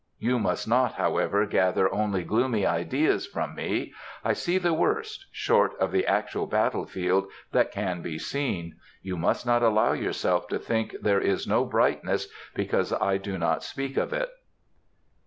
You must not, however, gather only gloomy ideas from me. I see the worst—short of the actual battle field—that can be seen. You must not allow yourself to think there is no brightness because I do not speak of it.